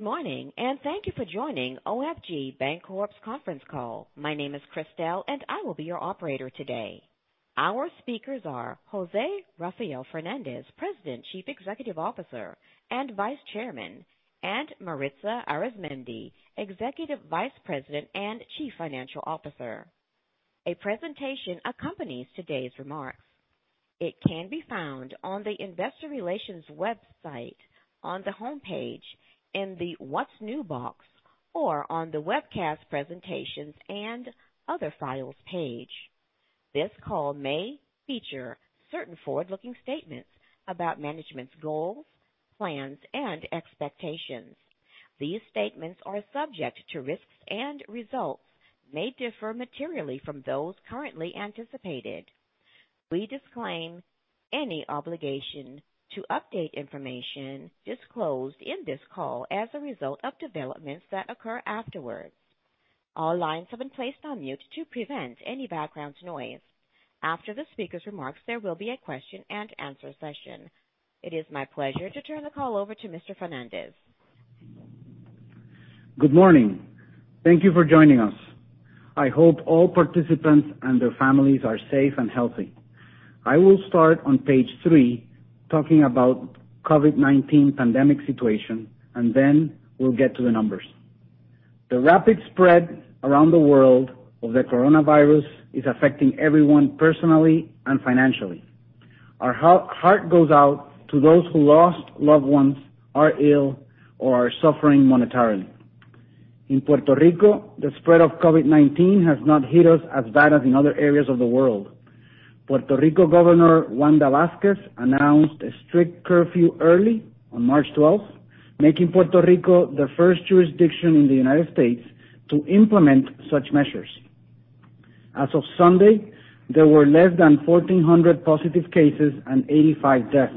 Morning, and thank you for joining OFG Bancorp's conference call. My name is Christelle, and I will be your operator today. Our speakers are José Rafael Fernández, President, Chief Executive Officer, and Vice Chairman, and Maritza Arizmendi, Executive Vice President and Chief Financial Officer. A presentation accompanies today's remarks. It can be found on the investor relations website on the homepage in the What's New box, or on the webcast presentations and other files page. This call may feature certain forward-looking statements about management's goals, plans, and expectations. These statements are subject to risks, and results may differ materially from those currently anticipated. We disclaim any obligation to update information disclosed in this call as a result of developments that occur afterwards. All lines have been placed on mute to prevent any background noise. After the speaker's remarks, there will be a question and answer session. It is my pleasure to turn the call over to Mr. Fernández. Good morning. Thank you for joining us. I hope all participants and their families are safe and healthy. I will start on page three talking about COVID-19 pandemic situation, and then we'll get to the numbers. The rapid spread around the world of the coronavirus is affecting everyone personally and financially. Our heart goes out to those who lost loved ones, are ill, or are suffering monetarily. In Puerto Rico, the spread of COVID-19 has not hit us as bad as in other areas of the world. Puerto Rico Governor Wanda Vazquez announced a strict curfew early on March 12th, making Puerto Rico the first jurisdiction in the U.S. to implement such measures. As of Sunday, there were less than 1,400 positive cases and 85 deaths,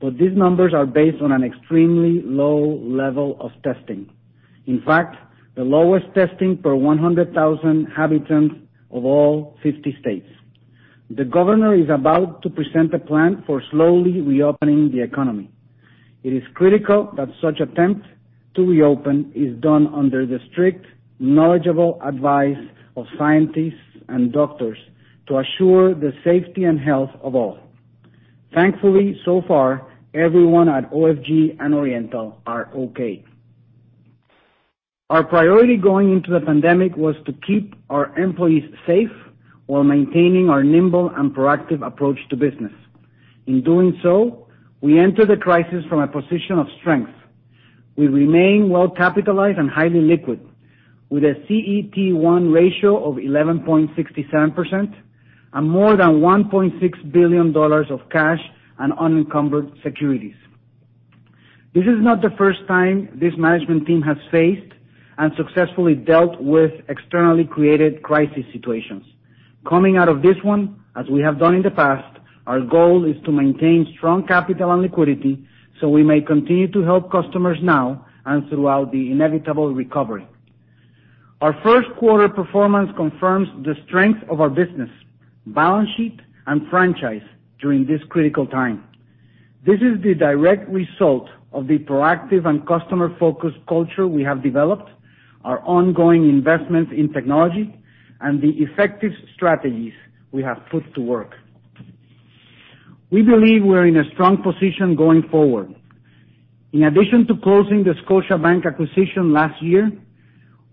but these numbers are based on an extremely low level of testing. In fact, the lowest testing per 100,000 inhabitants of all 50 states. The governor is about to present a plan for slowly reopening the economy. It is critical that such attempt to reopen is done under the strict, knowledgeable advice of scientists and doctors to assure the safety and health of all. Thankfully, so far, everyone at OFG and Oriental are okay. Our priority going into the pandemic was to keep our employees safe while maintaining our nimble and proactive approach to business. In doing so, we enter the crisis from a position of strength. We remain well-capitalized and highly liquid with a CET1 ratio of 11.67% and more than $1.6 billion of cash and unencumbered securities. This is not the first time this management team has faced and successfully dealt with externally created crisis situations. Coming out of this one, as we have done in the past, our goal is to maintain strong capital and liquidity so we may continue to help customers now and throughout the inevitable recovery. Our Q1 performance confirms the strength of our business, balance sheet, and franchise during this critical time. This is the direct result of the proactive and customer-focused culture we have developed, our ongoing investment in technology, and the effective strategies we have put to work. We believe we're in a strong position going forward. In addition to closing the Scotiabank acquisition last year,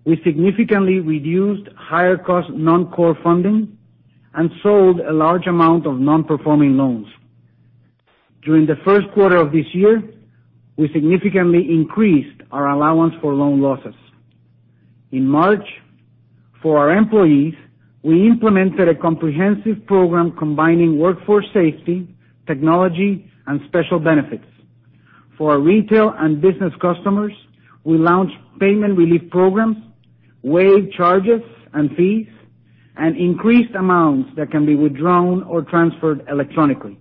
we significantly reduced higher cost non-core funding and sold a large amount of non-performing loans. During the Q1 of this year, we significantly increased our allowance for loan losses. In March, for our employees, we implemented a comprehensive program combining workforce safety, technology, and special benefits. For our retail and business customers, we launched payment relief programs, waived charges and fees, and increased amounts that can be withdrawn or transferred electronically.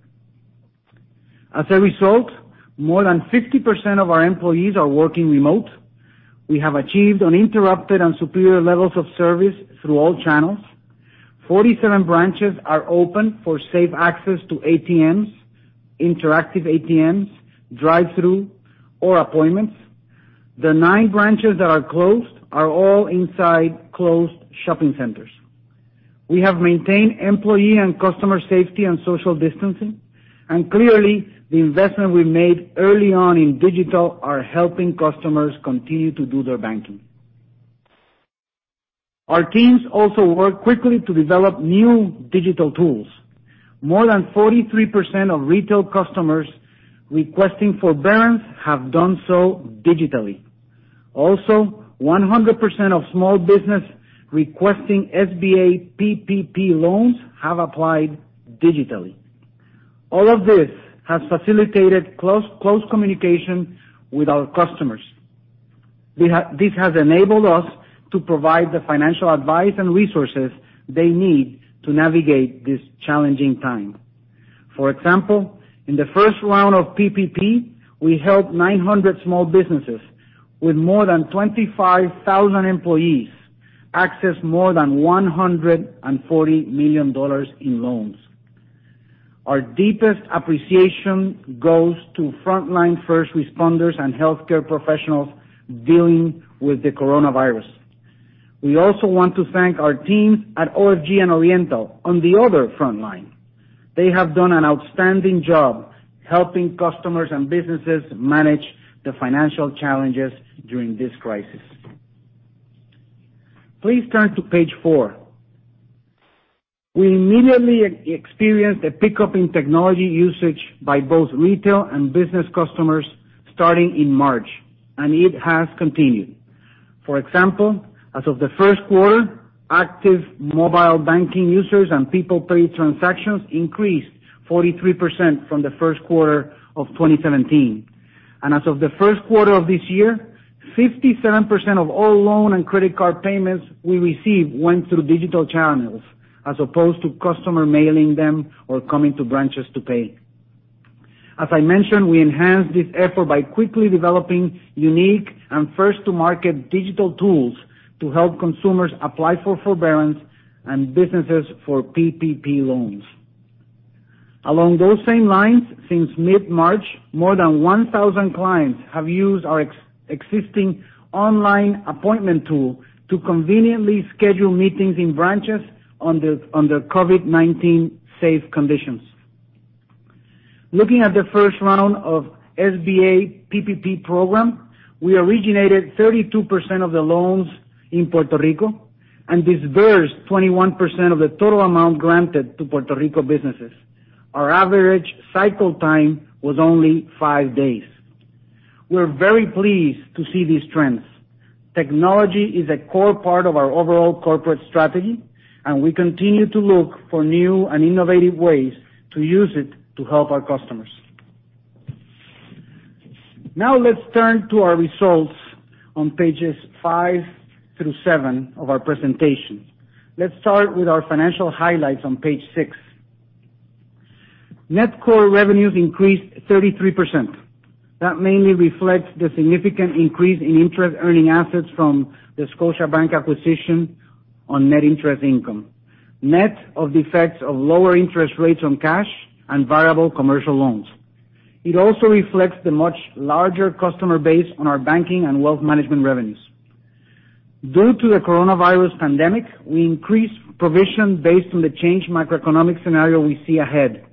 As a result, more than 50% of our employees are working remote. We have achieved uninterrupted and superior levels of service through all channels. 47 branches are open for safe access to ATMs, interactive ATMs, drive-through, or appointments. The nine branches that are closed are all inside closed shopping centers. We have maintained employee and customer safety and social distancing. Clearly, the investment we made early on in digital are helping customers continue to do their banking. Our teams also worked quickly to develop new digital tools. More than 43% of retail customers requesting forbearance have done so digitally. 100% of small business requesting SBA PPP loans have applied digitally. All of this has facilitated close communication with our customers. This has enabled us to provide the financial advice and resources they need to navigate this challenging time. For example, in the first round of PPP, we helped 900 small businesses with more than 25,000 employees access more than $140 million in loans. Our deepest appreciation goes to frontline first responders and healthcare professionals dealing with the coronavirus. We also want to thank our teams at OFG and Oriental on the other frontline. They have done an outstanding job helping customers and businesses manage the financial challenges during this crisis. Please turn to page four. We immediately experienced a pickup in technology usage by both retail and business customers starting in March, and it has continued. For example, as of the Q1, active mobile banking users and People Pay transactions increased 43% from the Q1 of 2017. As of the Q1 of this year, 57% of all loan and credit card payments we received went through digital channels as opposed to customer mailing them or coming to branches to pay. As I mentioned, we enhanced this effort by quickly developing unique and first-to-market digital tools to help consumers apply for forbearance and businesses for PPP loans. Along those same lines, since mid-March, more than 1,000 clients have used our existing online appointment tool to conveniently schedule meetings in branches under COVID-19 safe conditions. Looking at the first round of SBA PPP program, we originated 32% of the loans in Puerto Rico and disbursed 21% of the total amount granted to Puerto Rico businesses. Our average cycle time was only five days. We're very pleased to see these trends. Technology is a core part of our overall corporate strategy, and we continue to look for new and innovative ways to use it to help our customers. Now let's turn to our results on pages five through seven of our presentation. Let's start with our financial highlights on page six. Net core revenues increased 33%. That mainly reflects the significant increase in interest-earning assets from the Scotiabank acquisition on net interest income, net of the effects of lower interest rates on cash and variable commercial loans. It also reflects the much larger customer base on our banking and wealth management revenues. Due to the coronavirus pandemic, we increased provision based on the changed macroeconomic scenario we see ahead.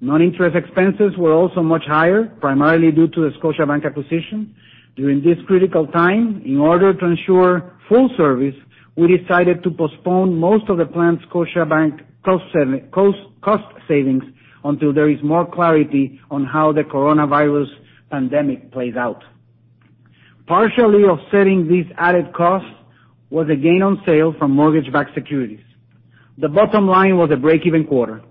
Non-interest expenses were also much higher, primarily due to the Scotiabank acquisition. During this critical time, in order to ensure full service, we decided to postpone most of the planned Scotiabank cost savings until there is more clarity on how the coronavirus pandemic plays out. Partially offsetting these added costs was a gain on sale from mortgage-backed securities. The bottom line was a break-even quarter.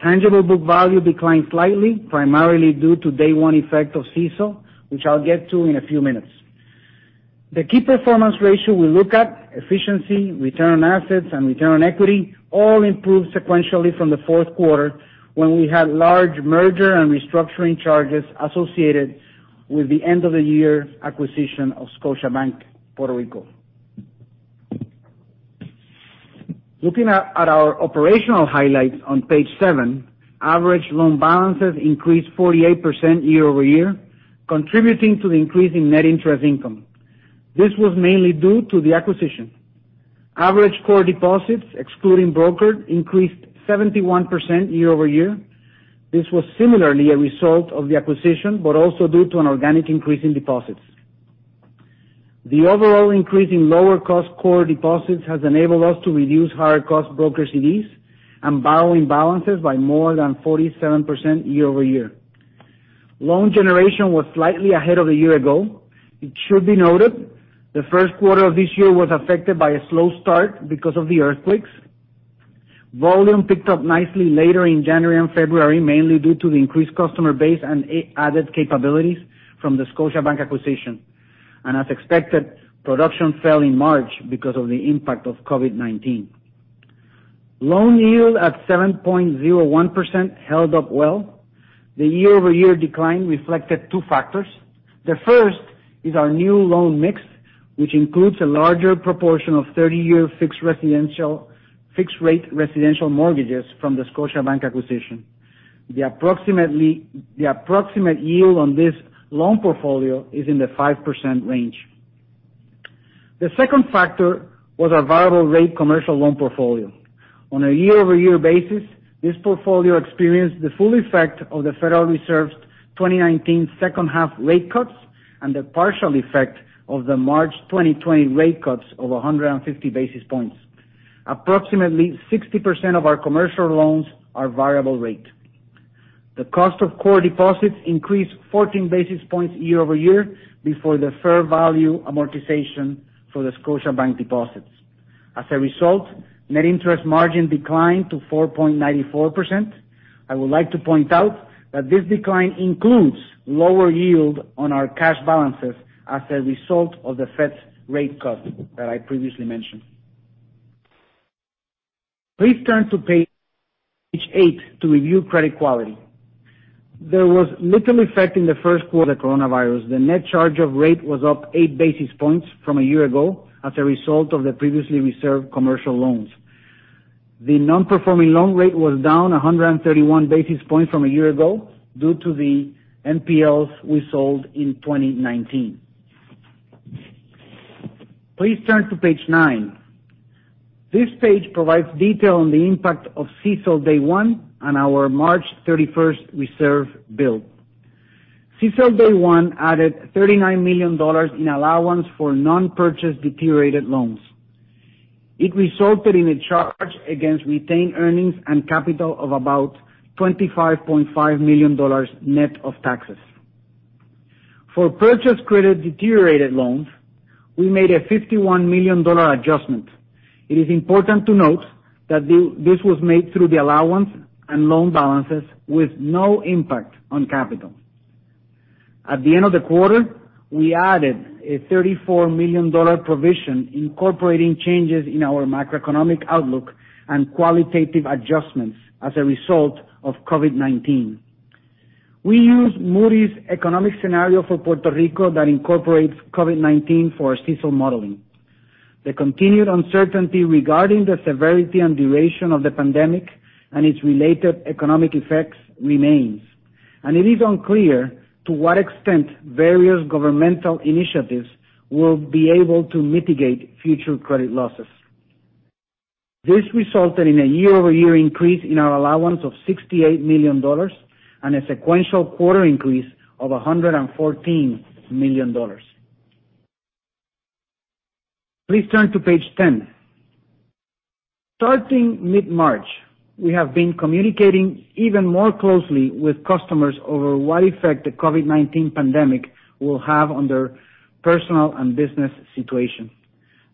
Tangible book value declined slightly, primarily due to day one effect of CECL, which I'll get to in a few minutes. The key performance ratio we look at, efficiency, return on assets, and return on equity all improved sequentially from the Q4 when we had large merger and restructuring charges associated with the end-of-the-year acquisition of Scotiabank Puerto Rico. Looking at our operational highlights on page seven, average loan balances increased 48% year-over-year, contributing to the increase in net interest income. This was mainly due to the acquisition. Average core deposits, excluding brokered, increased 71% year-over-year. This was similarly a result of the acquisition but also due to an organic increase in deposits. The overall increase in lower-cost core deposits has enabled us to reduce higher-cost brokered CDs and borrowing balances by more than 47% year-over-year. Loan generation was slightly ahead of a year ago. It should be noted the Q1 of this year was affected by a slow start because of the earthquakes. Volume picked up nicely later in January and February, mainly due to the increased customer base and added capabilities from the Scotiabank acquisition. As expected, production fell in March because of the impact of COVID-19. Loan yield at 7.01% held up well. The year-over-year decline reflected two factors. The first is our new loan mix, which includes a larger proportion of 30-year fixed-rate residential mortgages from the Scotiabank acquisition. The approximate yield on this loan portfolio is in the 5% range. The second factor was our variable rate commercial loan portfolio. On a year-over-year basis, this portfolio experienced the full effect of the Federal Reserve's 2019 H2 rate cuts and the partial effect of the March 2020 rate cuts of 150 basis points. Approximately 60% of our commercial loans are variable rate. The cost of core deposits increased 14 basis points year-over-year before the fair value amortization for the Scotiabank deposits. As a result, net interest margin declined to 4.94%. I would like to point out that this decline includes lower yield on our cash balances as a result of the Fed's rate cut that I previously mentioned. Please turn to page eight to review credit quality. There was little effect in the Q1 coronavirus. The net charge-off rate was up eight basis points from a year ago as a result of the previously reserved commercial loans. The non-performing loan rate was down 131 basis points from a year ago due to the NPLs we sold in 2019. Please turn to page nine. This page provides detail on the impact of CECL day one and our March 31st reserve build. CECL day one added $39 million in allowance for non-purchased deteriorated loans. It resulted in a charge against retained earnings and capital of about $25.5 million net of taxes. For purchased credit deteriorated loans, we made a $51 million adjustment. It is important to note that this was made through the allowance and loan balances with no impact on capital. At the end of the quarter, we added a $34 million provision incorporating changes in our macroeconomic outlook and qualitative adjustments as a result of COVID-19. We use Moody's economic scenario for Puerto Rico that incorporates COVID-19 for CECL modeling. The continued uncertainty regarding the severity and duration of the pandemic and its related economic effects remains, and it is unclear to what extent various governmental initiatives will be able to mitigate future credit losses. This resulted in a year-over-year increase in our allowance of $68 million and a sequential quarter increase of $114 million. Please turn to page 10. Starting mid-March, we have been communicating even more closely with customers over what effect the COVID-19 pandemic will have on their personal and business situation.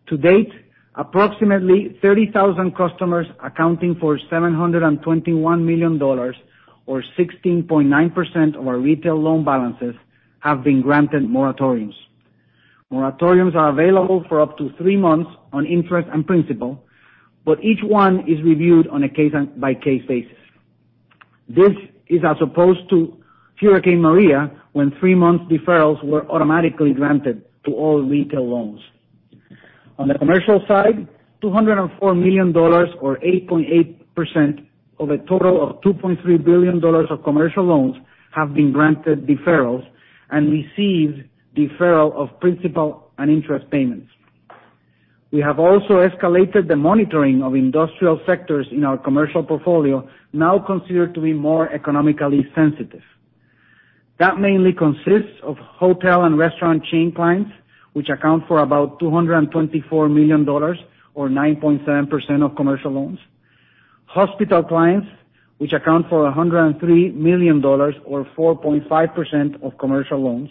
To date, approximately 30,000 customers accounting for $721 million, or 16.9% of our retail loan balances, have been granted moratoriums. Moratoriums are available for up to three months on interest and principal, but each one is reviewed on a case-by-case basis. This is as opposed to Hurricane Maria, when three-month deferrals were automatically granted to all retail loans. On the commercial side, $204 million or 8.8% of a total of $2.3 billion of commercial loans have been granted deferrals and receive deferral of principal and interest payments. We have also escalated the monitoring of industrial sectors in our commercial portfolio, now considered to be more economically sensitive. That mainly consists of hotel and restaurant chain clients, which account for about $224 million, or 9.7% of commercial loans, hospital clients, which account for $103 million or 4.5% of commercial loans,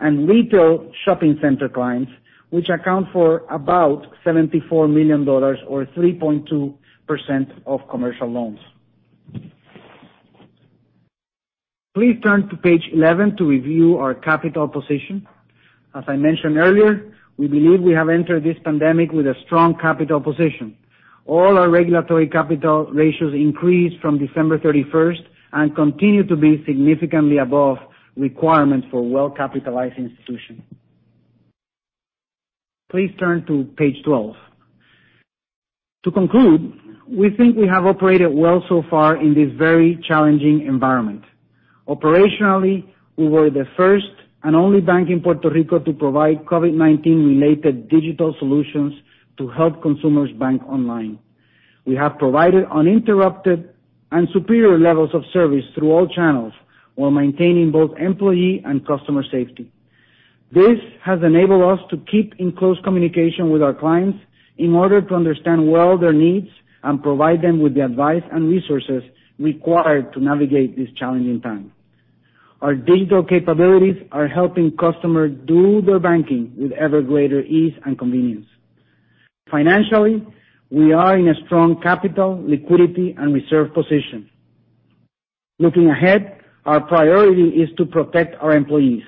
and retail shopping center clients, which account for about $74 million or 3.2% of commercial loans. Please turn to page 11 to review our capital position. As I mentioned earlier, we believe we have entered this pandemic with a strong capital position. All our regulatory capital ratios increased from December 31st and continue to be significantly above requirements for well-capitalized institutions. Please turn to page 12. To conclude, we think we have operated well so far in this very challenging environment. Operationally, we were the first and only bank in Puerto Rico to provide COVID-19 related digital solutions to help consumers bank online. We have provided uninterrupted and superior levels of service through all channels while maintaining both employee and customer safety. This has enabled us to keep in close communication with our clients in order to understand well their needs and provide them with the advice and resources required to navigate this challenging time. Our digital capabilities are helping customers do their banking with ever greater ease and convenience. Financially, we are in a strong capital, liquidity, and reserve position. Looking ahead, our priority is to protect our employees,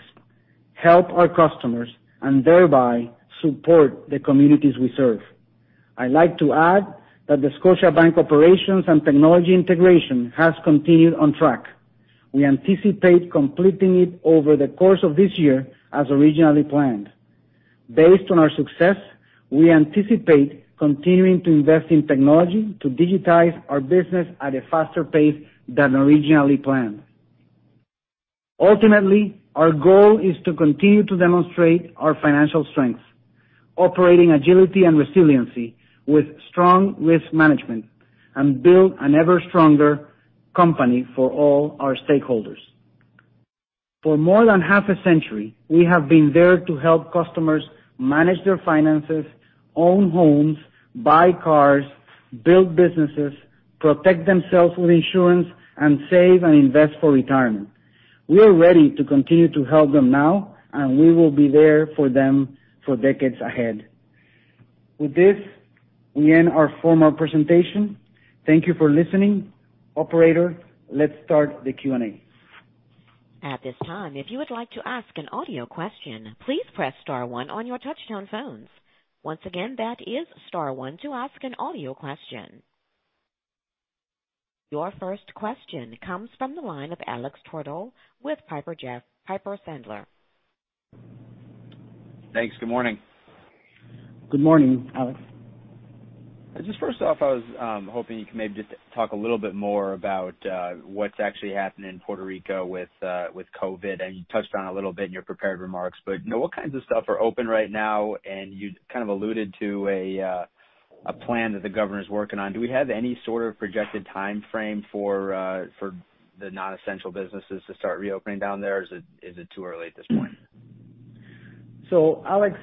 help our customers, and thereby support the communities we serve. I'd like to add that the Scotiabank operations and technology integration has continued on track. We anticipate completing it over the course of this year as originally planned. Based on our success, we anticipate continuing to invest in technology to digitize our business at a faster pace than originally planned. Ultimately, our goal is to continue to demonstrate our financial strength, operating agility and resiliency with strong risk management, and build an ever-stronger company for all our stakeholders. For more than half a century, we have been there to help customers manage their finances, own homes, buy cars, build businesses, protect themselves with insurance, and save and invest for retirement. We are ready to continue to help them now, and we will be there for them for decades ahead. With this, we end our formal presentation. Thank you for listening. Operator, let's start the Q&A. At this time, if you would like to ask an audio question, please press star one on your touchtone phones. Once again, that is star one to ask an audio question. Your first question comes from the line of Alex Twerdahl with Piper Sandler. Thanks. Good morning. Good morning, Alex. Just first off, I was hoping you could maybe just talk a little bit more about what's actually happening in Puerto Rico with COVID. You touched on it a little bit in your prepared remarks, but what kinds of stuff are open right now? You kind of alluded to a plan that the Governor's working on. Do we have any sort of projected timeframe for the non-essential businesses to start reopening down there, or is it too early at this point? Alex,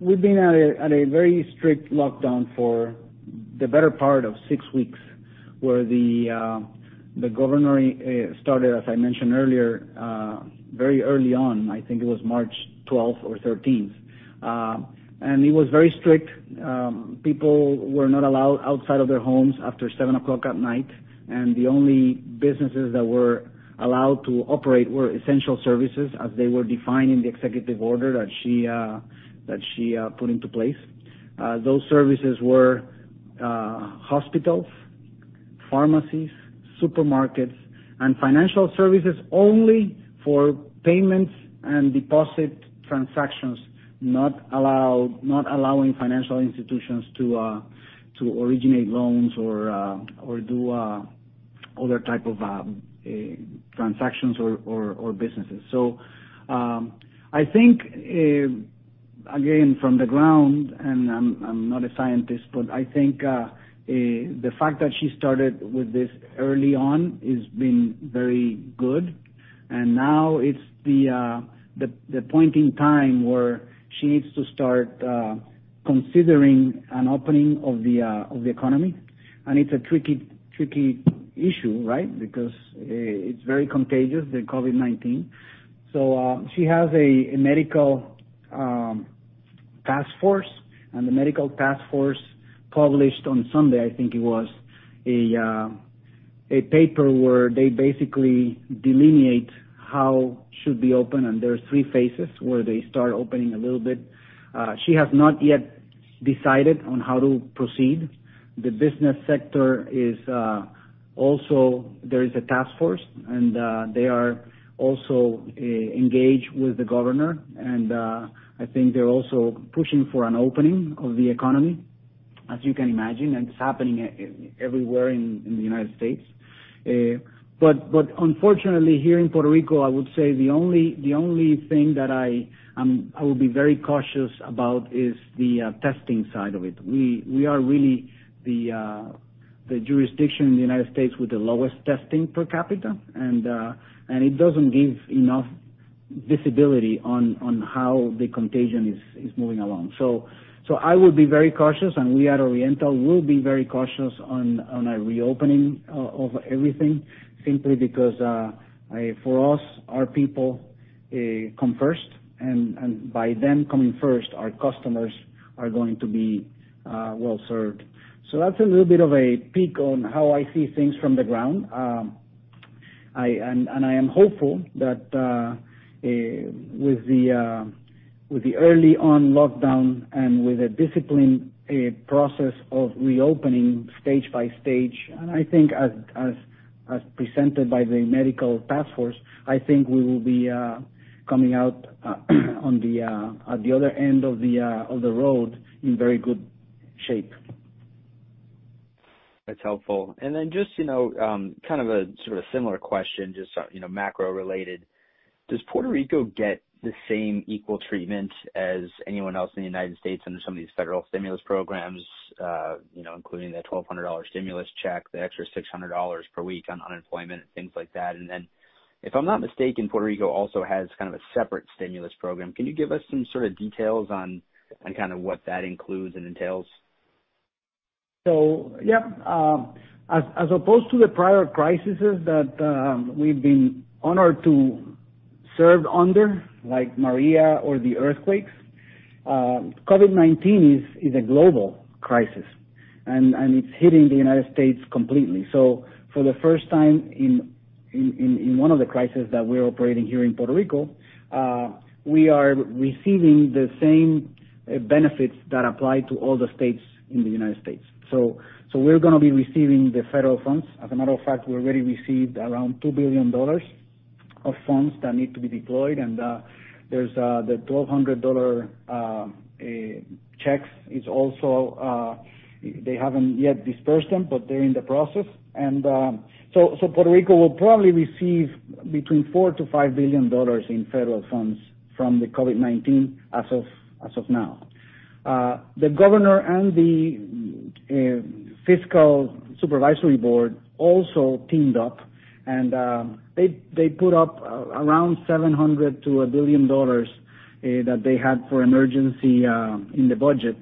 we've been at a very strict lockdown for the better part of six weeks, where the Governor started, as I mentioned earlier, very early on. I think it was March 12th or 13th. It was very strict. People were not allowed outside of their homes after 7:00 P.M. The only businesses that were allowed to operate were essential services as they were defined in the executive order that she put into place. Those services were hospitals, pharmacies, supermarkets, and financial services only for payments and deposit transactions, not allowing financial institutions to originate loans or do other type of transactions or businesses. I think, again, from the ground, and I'm not a scientist, but I think the fact that she started with this early on has been very good. Now it's the point in time where she needs to start considering an opening of the economy. It's a tricky issue, right? Because it's very contagious, the COVID-19. She has a medical task force. The medical task force published on Sunday, I think it was, a paper where they basically delineate how it should be open, and there are three phases where they start opening a little bit. She has not yet decided on how to proceed. The business sector is also, there is a task force, and they are also engaged with the Governor. I think they're also pushing for an opening of the economy, as you can imagine, and it's happening everywhere in the U.S. Unfortunately, here in Puerto Rico, I would say the only thing that I will be very cautious about is the testing side of it. We are really the jurisdiction in the U.S. with the lowest testing per capita, and it doesn't give enough visibility on how the contagion is moving along. I would be very cautious, and we at Oriental will be very cautious on a reopening of everything simply because for us, our people come first. By them coming first, our customers are going to be well-served. That's a little bit of a peek on how I see things from the ground. I am hopeful that with the early-on lockdown and with a disciplined process of reopening stage by stage, and I think as presented by the medical task force, I think we will be coming out on the other end of the road in very good shape. That's helpful. Then just kind of a sort of similar question, just macro-related. Does Puerto Rico get the same equal treatment as anyone else in the U.S. under some of these federal stimulus programs including the $1,200 stimulus check, the extra $600 per week on unemployment and things like that? Then, if I'm not mistaken, Puerto Rico also has kind of a separate stimulus program. Can you give us some sort of details on what that includes and entails? Yeah. As opposed to the prior crises that we've been honored to serve under, like Maria or the earthquakes, COVID-19 is a global crisis, and it's hitting the U.S. completely. For the first time in one of the crises that we're operating here in Puerto Rico, we are receiving the same benefits that apply to all the states in the U.S. We're going to be receiving the federal funds. As a matter of fact, we already received around $2 billion of funds that need to be deployed. There's the $1,200 checks. They haven't yet dispersed them, but they're in the process. Puerto Rico will probably receive between $4 billion-$5 billion in federal funds from the COVID-19 as of now. The Governor and the Financial Oversight and Management Board also teamed up, and they put up around $700-$1 billion that they had for emergency in the budget.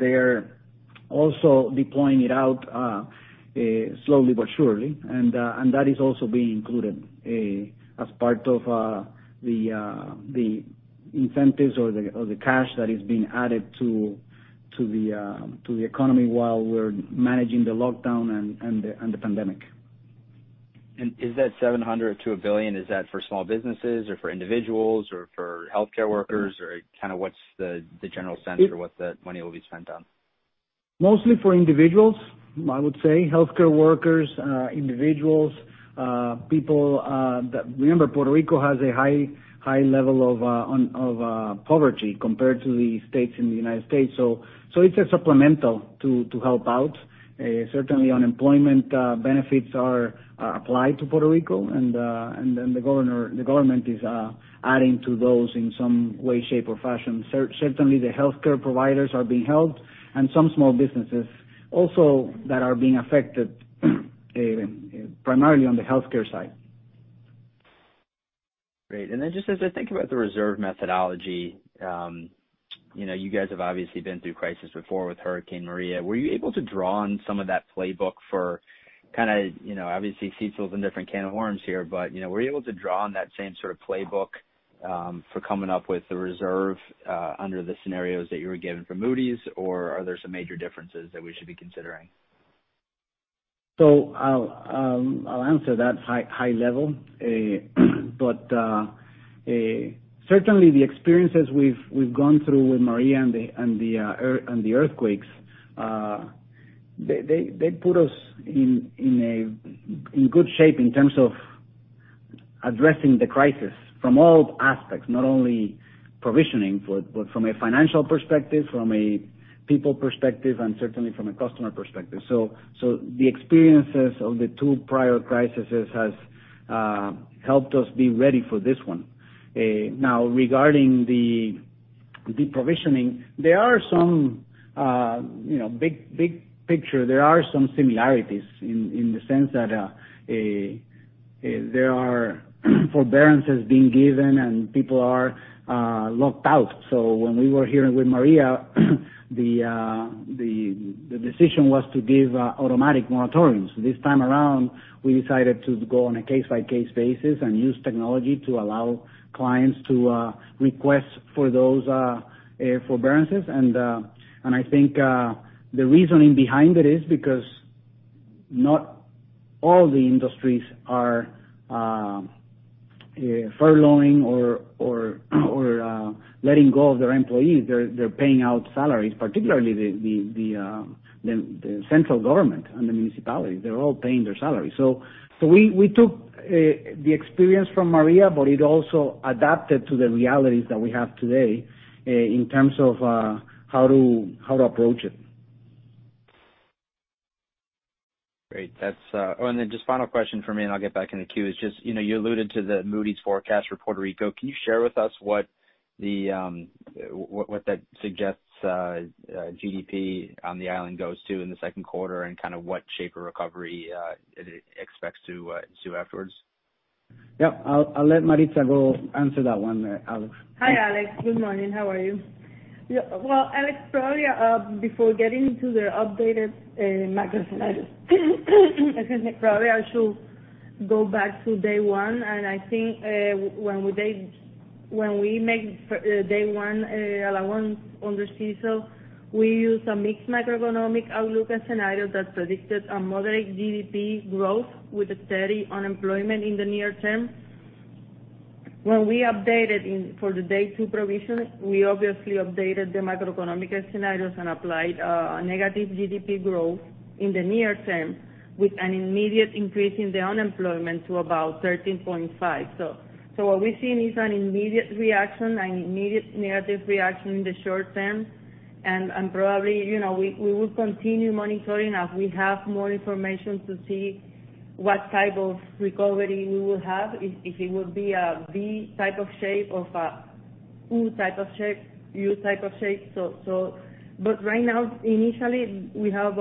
They're also deploying it out slowly but surely. That is also being included as part of the incentives or the cash that is being added to the economy while we're managing the lockdown and the pandemic. Is that $700 to $1 billion, is that for small businesses or for individuals or for healthcare workers? What's the general sense for what the money will be spent on? Mostly for individuals, I would say. Healthcare workers, individuals. Remember, Puerto Rico has a high level of poverty compared to the states in the United States. It's a supplemental to help out. Certainly, unemployment benefits are applied to Puerto Rico and then the government is adding to those in some way, shape, or fashion. Certainly, the healthcare providers are being helped and some small businesses also that are being affected primarily on the healthcare side. Great. Just as I think about the reserve methodology, you guys have obviously been through crisis before with Hurricane Maria. Were you able to draw on some of that playbook for kind of, obviously CECL is a different can of worms here, but were you able to draw on that same sort of playbook for coming up with the reserve under the scenarios that you were given from Moody's? Or are there some major differences that we should be considering? I'll answer that high level. Certainly the experiences we've gone through with Maria and the earthquakes, they put us in good shape in terms of addressing the crisis from all aspects, not only provisioning, but from a financial perspective, from a people perspective, and certainly from a customer perspective. The experiences of the two prior crises has helped us be ready for this one. Regarding the provisioning, big picture, there are some similarities in the sense that there are forbearances being given and people are locked out. When we were here with Maria, the decision was to give automatic moratoriums. This time around, we decided to go on a case-by-case basis and use technology to allow clients to request for those forbearances and I think the reasoning behind it is because not all the industries are furloughing or letting go of their employees. They're paying out salaries, particularly the central government and the municipality. They're all paying their salaries. We took the experience from Maria, but it also adapted to the realities that we have today in terms of how to approach it. Great. Just final question from me and I'll get back in the queue is just you alluded to the Moody's forecast for Puerto Rico. Can you share with us what that suggests GDP on the island goes to in the Q2 and kind of what shape of recovery it expects to do afterwards? Yeah, I'll let Maritza go answer that one, Alex. Hi, Alex. Good morning. How are you? Alex, probably before getting into the updated macro scenarios, probably I should go back to day one, and I think when we make day one allowance on the CECL, we used a mixed macroeconomic outlook and scenario that predicted a moderate GDP growth with a steady unemployment in the near term. When we updated for the day two provision, we obviously updated the macroeconomic scenarios and applied a negative GDP growth in the near term with an immediate increase in the unemployment to about 13.5%. What we've seen is an immediate reaction, an immediate negative reaction in the short term. Probably, we will continue monitoring as we have more information to see what type of recovery we will have, if it will be a V-type of shape, or a U-type of shape. Right now, initially, we have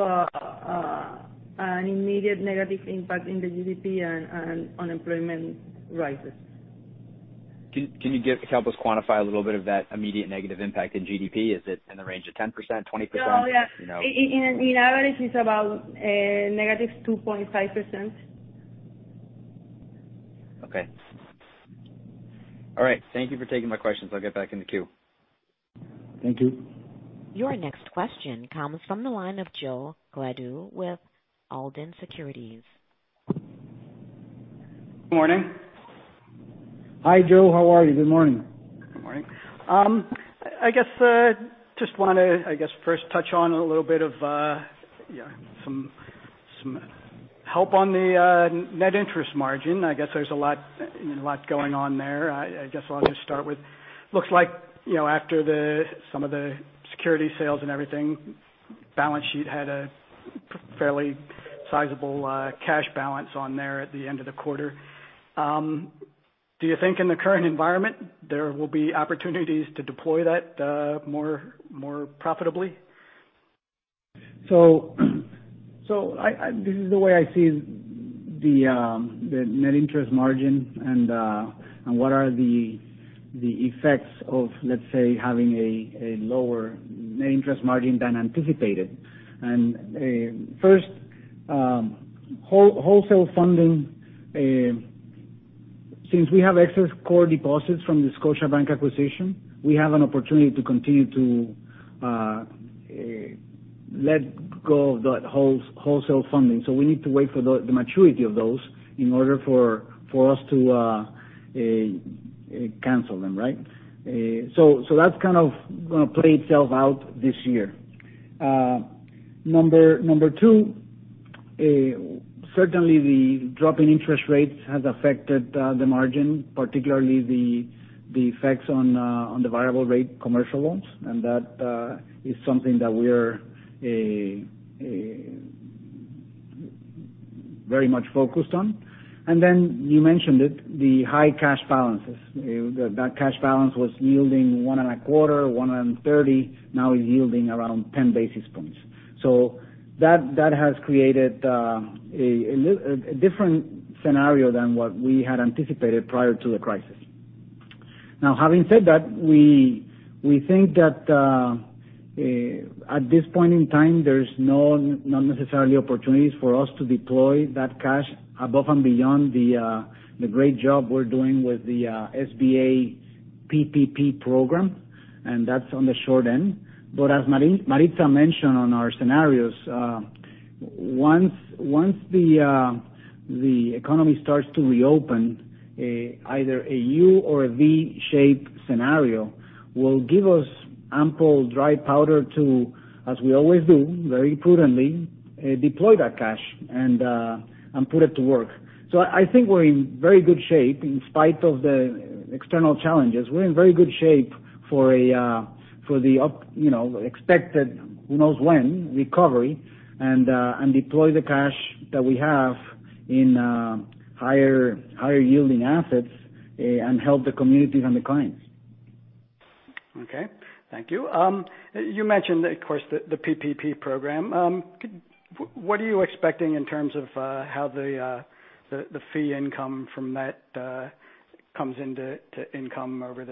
an immediate negative impact in the GDP and unemployment rises. Can you help us quantify a little bit of that immediate negative impact in GDP? Is it in the range of 10%, 20%? On average, it's about -2.5%. Okay. All right. Thank you for taking my questions. I'll get back in the queue. Thank you. Your next question comes from the line of Joe Gladue with Alden Securities. Morning. Hi, Joe. How are you? Good morning. Good morning. I guess just want to first touch on a little bit of some help on the net interest margin. I guess there's a lot going on there. I guess I'll just start with, looks like after some of the security sales and everything, balance sheet had a fairly sizable cash balance on there at the end of the quarter. Do you think in the current environment, there will be opportunities to deploy that more profitably? This is the way I see the net interest margin and what are the effects of having a lower net interest margin than anticipated. First, wholesale funding. Since we have excess core deposits from the Scotiabank acquisition, we have an opportunity to continue to let go of that wholesale funding. We need to wait for the maturity of those in order for us to cancel them, right? That's going to play itself out this year. Number two, certainly the drop in interest rates has affected the margin, particularly the effects on the variable rate commercial loans. That is something that we're very much focused on. You mentioned it, the high cash balances. That cash balance was yielding one and a quarter, 130, now is yielding around 10 basis points. That has created a different scenario than what we had anticipated prior to the crisis. Having said that, we think that at this point in time, there's not necessarily opportunities for us to deploy that cash above and beyond the great job we're doing with the SBA PPP program, and that's on the short end. As Maritza mentioned on our scenarios, once the economy starts to reopen, either a U or a V shape scenario will give us ample dry powder to, as we always do, very prudently, deploy that cash and put it to work. I think we're in very good shape in spite of the external challenges. We're in very good shape for the expected, who knows when, recovery and deploy the cash that we have in higher yielding assets and help the communities and the clients. Okay. Thank you. You mentioned, of course, the PPP program. What are you expecting in terms of how the fee income from that comes into income over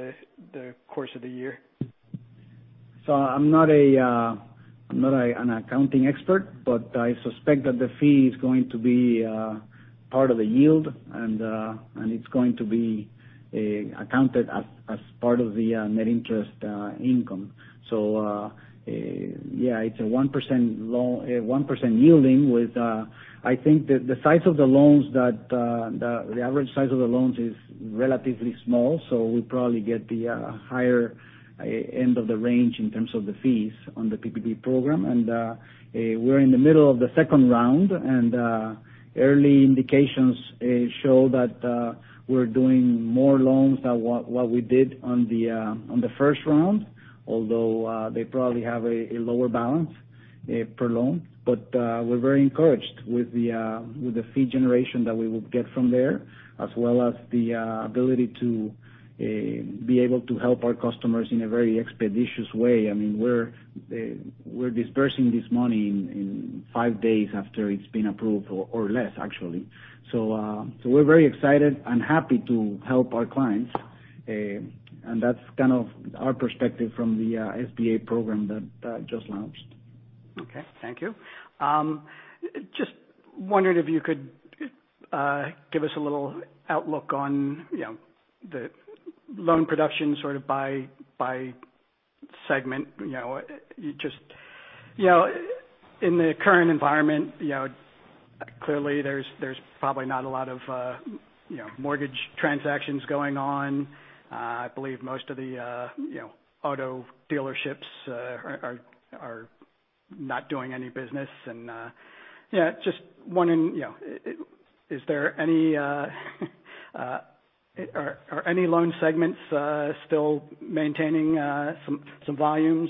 the course of the year? I'm not an accounting expert, but I suspect that the fee is going to be part of the yield and it's going to be accounted as part of the net interest income. Yeah, it's a 1% yielding with-- I think the average size of the loans is relatively small, so we probably get the higher end of the range in terms of the fees on the PPP program. We're in the middle of the second round, and early indications show that we're doing more loans than what we did on the first round, although they probably have a lower balance per loan. We're very encouraged with the fee generation that we will get from there, as well as the ability to be able to help our customers in a very expeditious way. We're disbursing this money in five days after it's been approved, or less actually. We're very excited and happy to help our clients. That's kind of our perspective from the SBA program that just launched. Okay. Thank you. Just wondering if you could give us a little outlook on the loan production sort of by segment. In the current environment, clearly there's probably not a lot of mortgage transactions going on. I believe most of the auto dealerships are not doing any business. Just wondering, are any loan segments still maintaining some volumes?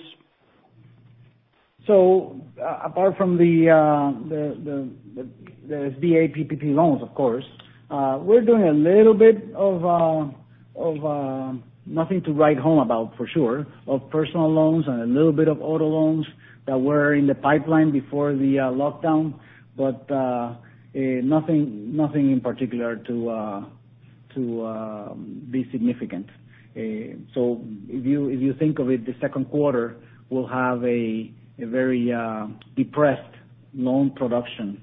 Apart from the SBA PPP loans, of course, we're doing a little bit of, nothing to write home about for sure, of personal loans and a little bit of auto loans that were in the pipeline before the lockdown. Nothing in particular to be significant. If you think of it, the Q2 will have a very depressed loan production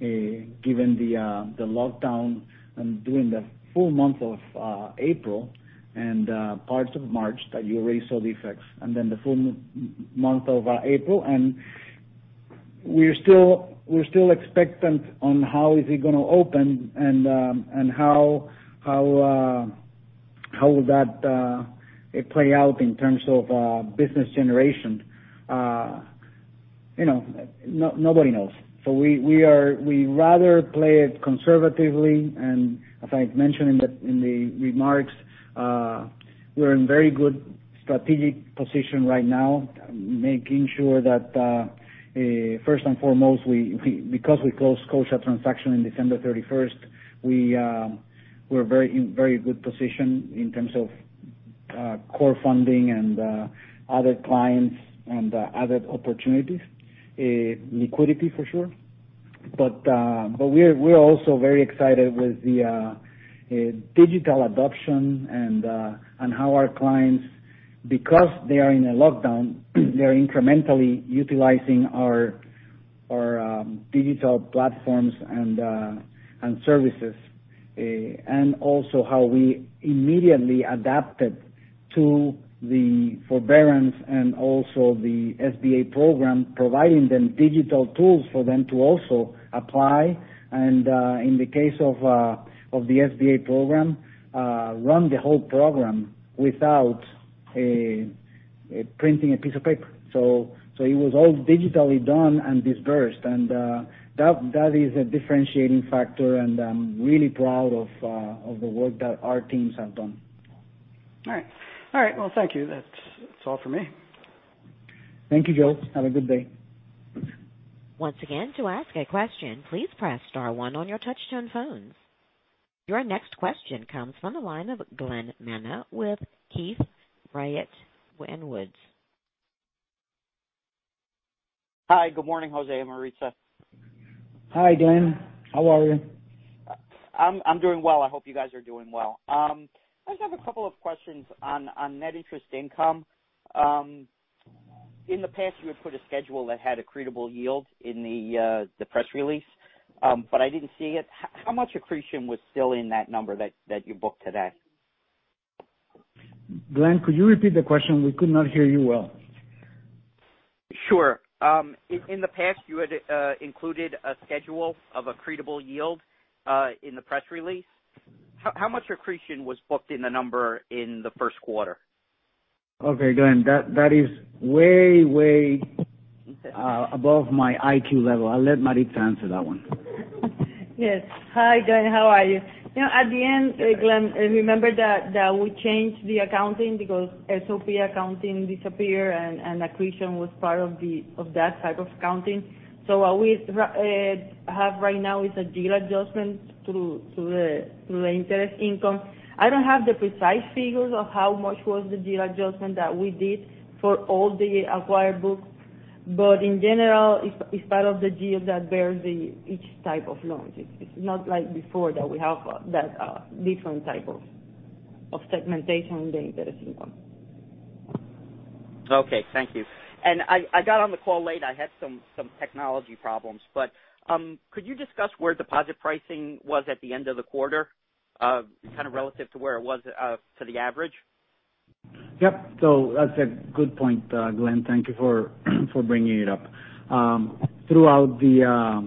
given the lockdown and during the full month of April and parts of March that you already saw the effects, and then the full month of April. We're still expectant on how is it going to open and how will that play out in terms of business generation. Nobody knows. We rather play it conservatively, and as I mentioned in the remarks, we're in very good strategic position right now, making sure that first and foremost, because we closed Scotiabank transaction in December 31st, we're in very good position in terms of core funding and other clients and other opportunities. Liquidity for sure. We're also very excited with the digital adoption and how our clients, because they are in a lockdown, they're incrementally utilizing our digital platforms and services. Also how we immediately adapted to the forbearance and also the SBA program, providing them digital tools for them to also apply and, in the case of the SBA program, run the whole program without printing a piece of paper. It was all digitally done and disbursed, and that is a differentiating factor, and I'm really proud of the work that our teams have done. All right. Well, thank you. That's all for me. Thank you, Joe. Have a good day. Once again, to ask a question, please press star one on your touch-tone phones. Your next question comes from the line of Glen Manna with Keefe, Bruyette & Woods. Hi, good morning, José and Maritza. Hi, Glen. How are you? I'm doing well. I hope you guys are doing well. I just have a couple of questions on net interest income. In the past, you had put a schedule that had accretable yield in the press release. I didn't see it. How much accretion was still in that number that you booked today? Glen, could you repeat the question? We could not hear you well. Sure. In the past, you had included a schedule of accretable yield in the press release. How much accretion was booked in the number in the Q1? Okay, Glen. That is way above my IQ level. I'll let Maritza answer that one. Yes. Hi, Glen. How are you? At the end, Glen, remember that we changed the accounting because SOP accounting disappear and accretion was part of that type of accounting. What we have right now is a deal adjustment to the interest income. I don't have the precise figures of how much was the deal adjustment that we did for all the acquired books, in general, it's part of the deal that bears each type of loans. It's not like before that we have that different type of segmentation in the interest income. Okay, thank you. I got on the call late, I had some technology problems. Could you discuss where deposit pricing was at the end of the quarter kind of relative to where it was to the average? Yep. That's a good point, Glen. Thank you for bringing it up. Throughout the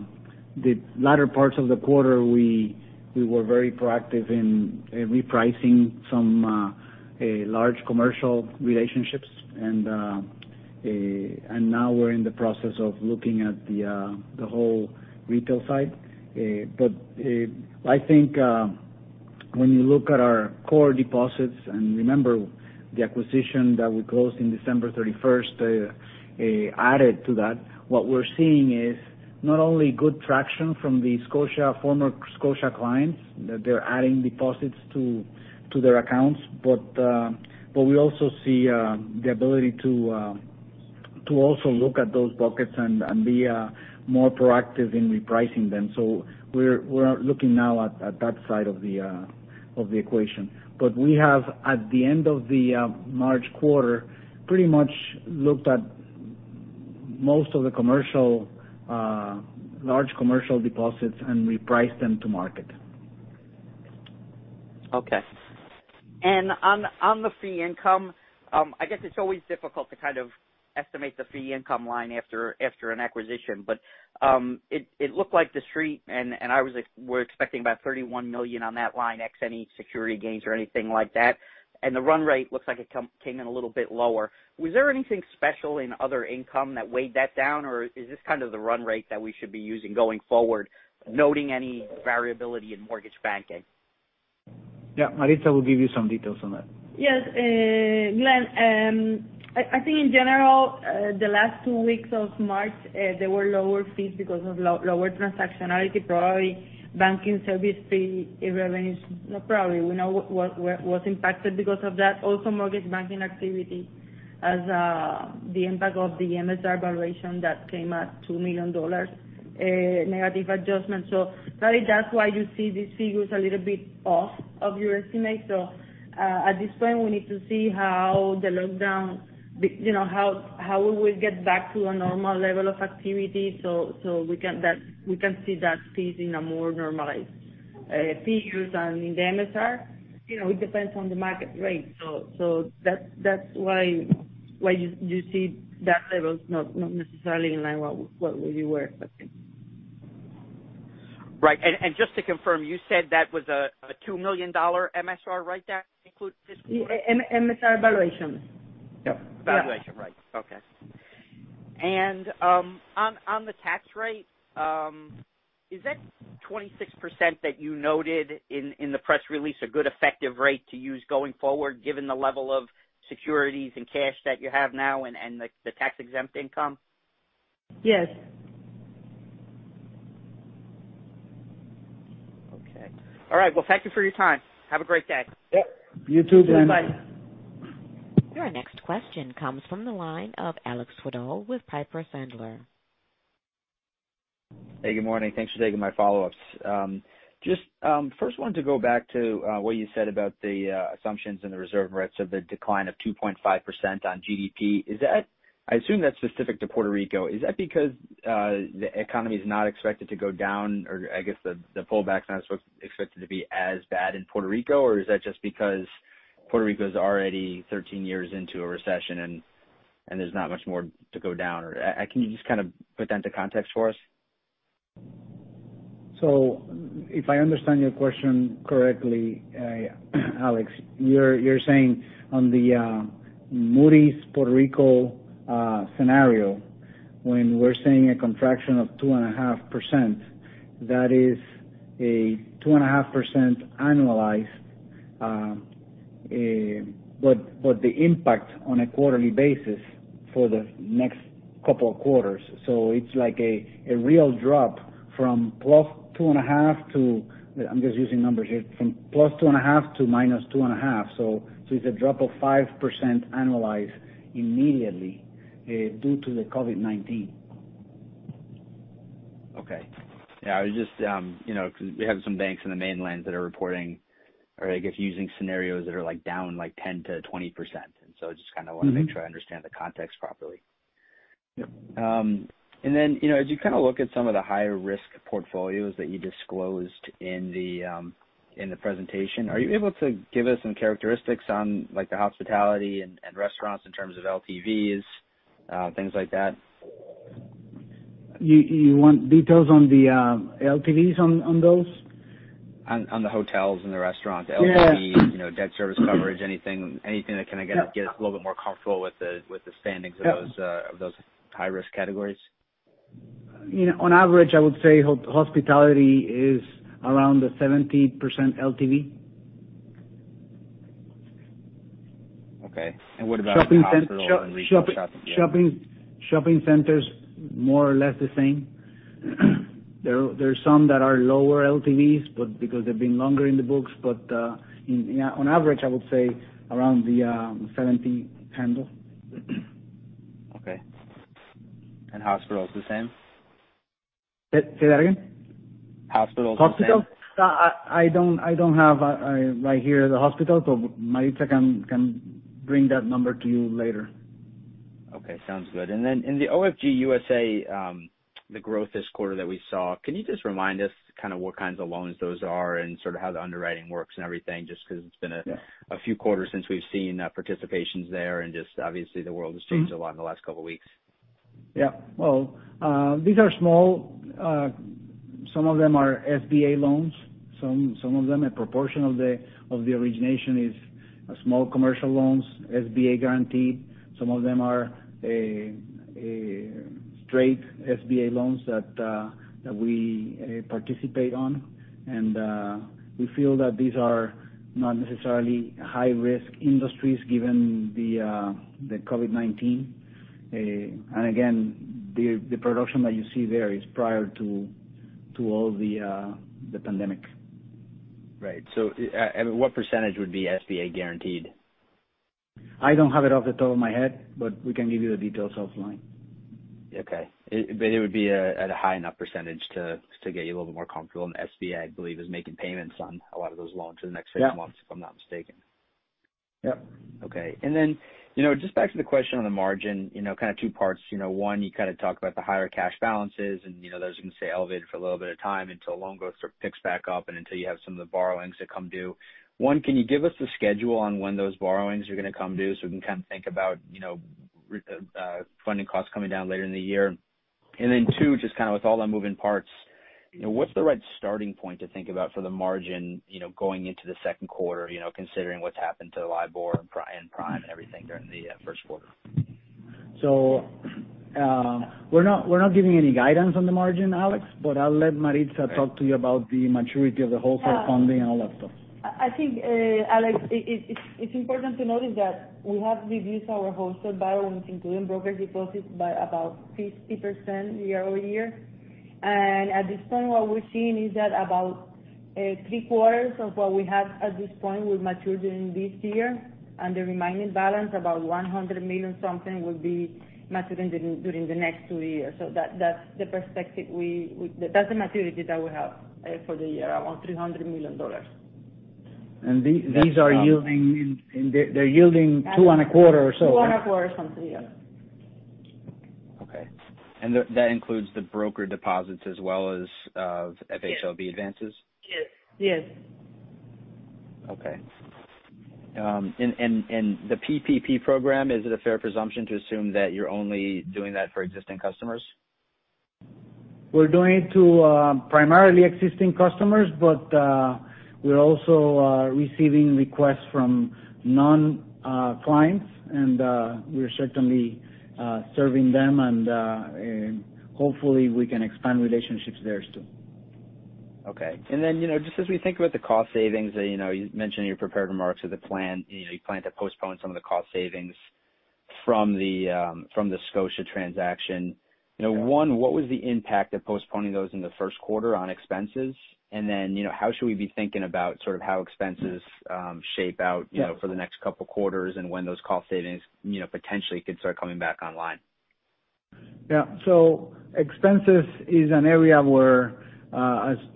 latter parts of the quarter, we were very proactive in repricing some large commercial relationships. Now we're in the process of looking at the whole retail side. I think when you look at our core deposits, and remember the acquisition that we closed in December 31st added to that, what we're seeing is not only good traction from the former Scotia clients, that they're adding deposits to their accounts, but we also see the ability to also look at those buckets and be more proactive in repricing them. We're looking now at that side of the equation. We have, at the end of the March quarter, pretty much looked at most of the large commercial deposits and repriced them to market. Okay. On the fee income, I guess it's always difficult to kind of estimate the fee income line after an acquisition. It looked like The Street, we're expecting about $31 million on that line, ex any security gains or anything like that. The run rate looks like it came in a little bit lower. Was there anything special in other income that weighed that down, or is this kind of the run rate that we should be using going forward, noting any variability in mortgage banking? Yeah. Maritza will give you some details on that. Yes. Glen, I think in general, the last two weeks of March, there were lower fees because of lower transactionality, probably banking service fee revenue. Not probably. We know what was impacted because of that. Also, mortgage banking activity as the impact of the MSR valuation that came at $2 million negative adjustment. Probably that's why you see these figures a little bit off of your estimate. At this point, we need to see how we will get back to a normal level of activity so we can see that fees in a more normalized figures. In the MSR, it depends on the market rate. That's why you see that level not necessarily in line what we were expecting. Right. Just to confirm, you said that was a $2 million MSR, right? That includes this quarter? MSR valuation. Yeah. Valuation. Right. Okay. On the tax rate, is that 26% that you noted in the press release a good effective rate to use going forward given the level of securities and cash that you have now and the tax-exempt income? Yes. Okay. All right. Well, thank you for your time. Have a great day. Yep. You too, Glen. Thanks, bye. Your next question comes from the line of Alex Twerdahl with Piper Sandler. Hey, good morning. Thanks for taking my follow-ups. Just first wanted to go back to what you said about the assumptions and the reserve rates of the decline of 2.5% on GDP. I assume that's specific to Puerto Rico. Is that because the economy is not expected to go down, or I guess the pullback's not expected to be as bad in Puerto Rico, or is that just because Puerto Rico's already 13 years into a recession and there's not much more to go down? Can you just kind of put that into context for us? If I understand your question correctly, Alex, you're saying on the Moody's Puerto Rico scenario, when we're saying a contraction of 2.5%, that is a 2.5% annualized, but the impact on a quarterly basis for the next couple of quarters. It's like a real drop from plus 2.5 to, I'm just using numbers here, from plus 2.5 to minus 2.5. It's a drop of 5% annualized immediately due to the COVID-19. Okay. Yeah, because we have some banks in the mainland that are reporting or, I guess, using scenarios that are down like 10%-20%. Just kind of want to make sure I understand the context properly. Yep. As you look at some of the higher risk portfolios that you disclosed in the presentation, are you able to give us some characteristics on the hospitality and restaurants in terms of LTVs, things like that? You want details on the LTVs on those? On the hotels and the restaurants. Yeah LTV, debt service coverage, anything that can, again, get a little bit more comfortable with the standings of those high-risk categories. On average, I would say hospitality is around the 70% LTV. Okay. What about hospitals and retail shops at the end? Shopping centers, more or less the same. There are some that are lower LTVs, because they've been longer in the books. On average, I would say around the 70 handle. Okay. Hospitals, the same? Say that again. Hospitals, the same. Hospitals. I don't have right here the hospital, so Maritza can bring that number to you later. Okay, sounds good. In the OFG USA, the growth this quarter that we saw, can you just remind us kind of what kinds of loans those are and sort of how the underwriting works and everything, just because it's been a few quarters since we've seen participations there and just obviously the world has changed a lot in the last couple of weeks? Yeah. Well, these are small. Some of them are SBA loans. Some of them, a proportion of the origination is small commercial loans, SBA guaranteed. Some of them are straight SBA loans that we participate on. We feel that these are not necessarily high-risk industries given the COVID-19. Again, the production that you see there is prior to all the pandemic. Right. what % would be SBA guaranteed? I don't have it off the top of my head, but we can give you the details offline. Okay. It would be at a high enough percentage to get you a little bit more comfortable. SBA, I believe, is making payments on a lot of those loans for the next six months. Yeah if I'm not mistaken. Yep. Okay. Just back to the question on the margin, two parts. One, you talked about the higher cash balances and those are going to stay elevated for a little bit of time until loan growth picks back up and until you have some of the borrowings that come due. One, can you give us a schedule on when those borrowings are going to come due so we can think about funding costs coming down later in the year? Two, just with all the moving parts, what's the right starting point to think about for the margin going into the Q2 considering what's happened to the LIBOR and Prime and everything during the Q1? We're not giving any guidance on the margin, Alex, but I'll let Maritza talk to you about the maturity of the wholesale funding and all that stuff. I think, Alex, it's important to notice that we have reduced our wholesale borrowings, including brokered deposits, by about 50% year-over-year. At this point, what we're seeing is that about three-quarters of what we have at this point will mature during this year, and the remaining balance, about $100 million, will be matured during the next two years. That's the perspective. That's the maturity that we have for the year, around $300 million. These are yielding two and a quarter or so. Two and a quarter something, yeah. Okay. That includes the brokered deposits as well as FHLB advances? Yes. Yes. Okay. The PPP program, is it a fair presumption to assume that you're only doing that for existing customers? We're doing it to primarily existing customers, but we're also receiving requests from non-clients and we're certainly serving them and hopefully we can expand relationships there, too. Okay. Just as we think about the cost savings that you mentioned in your prepared remarks of the plan, you plan to postpone some of the cost savings from the Scotia transaction. Yeah. One, what was the impact of postponing those in the Q1 on expenses? How should we be thinking about sort of how expenses shape out for the next couple quarters and when those cost savings potentially could start coming back online? Yeah. Expenses is an area where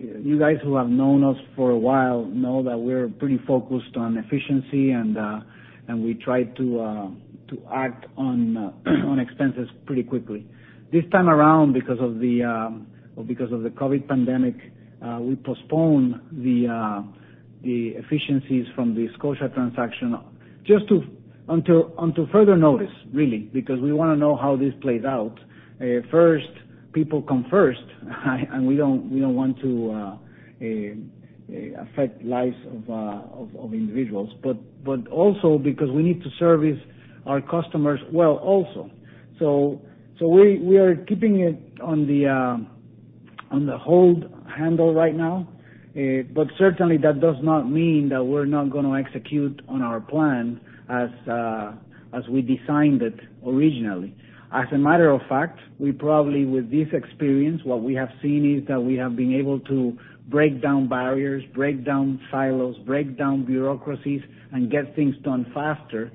you guys who have known us for a while know that we're pretty focused on efficiency, and we try to act on expenses pretty quickly. This time around, because of the COVID-19 pandemic, we postponed the efficiencies from the Scotia transaction just until further notice, really, because we want to know how this plays out. First, people come first, and we don't want to affect lives of individuals, but also because we need to service our customers well also. We are keeping it on the hold handle right now. Certainly that does not mean that we're not going to execute on our plan as we designed it originally. As a matter of fact, we probably, with this experience, what we have seen is that we have been able to break down barriers, break down silos, break down bureaucracies, and get things done faster.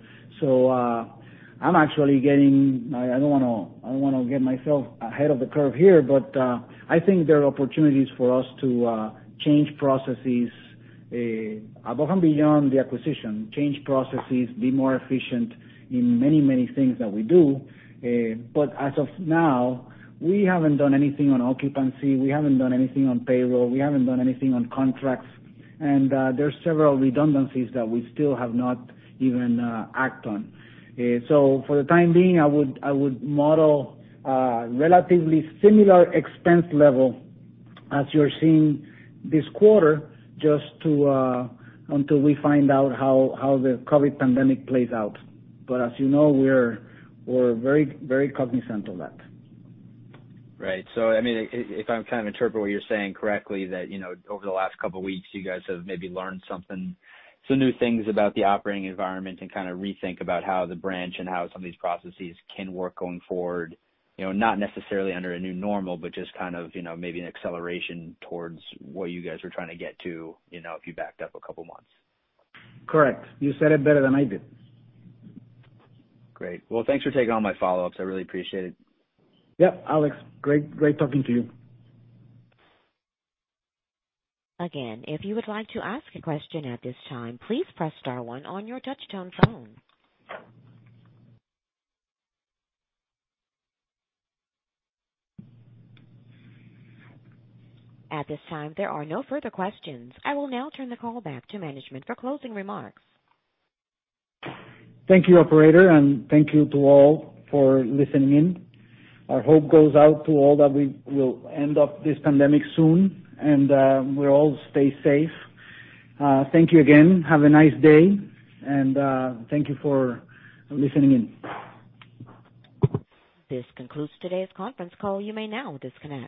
I'm actually I don't want to get myself ahead of the curve here, but I think there are opportunities for us to change processes above and beyond the acquisition, change processes, be more efficient in many things that we do. As of now, we haven't done anything on occupancy. We haven't done anything on payroll. We haven't done anything on contracts. There's several redundancies that we still have not even act on. For the time being, I would model a relatively similar expense level as you're seeing this quarter just until we find out how the COVID pandemic plays out. As you know, we're very cognizant of that. Right. If I'm interpreting what you're saying correctly, that over the last couple of weeks, you guys have maybe learned some new things about the operating environment and kind of rethink about how the branch and how some of these processes can work going forward, not necessarily under a new normal, but just kind of maybe an acceleration towards what you guys are trying to get to if you backed up a couple of months. Correct. You said it better than I did. Great. Thanks for taking all my follow-ups. I really appreciate it. Yeah, Alex. Great talking to you. Again, if you would like to ask a question at this time, please press star one on your touchtone phone. At this time, there are no further questions. I will now turn the call back to management for closing remarks. Thank you, operator, and thank you to all for listening in. Our hope goes out to all that we will end up this pandemic soon and we all stay safe. Thank you again. Have a nice day, and thank you for listening in. This concludes today's conference call. You may now disconnect.